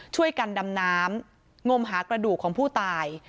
ช่วยกันดำน้ำงมหากระดูกของผู้ตาย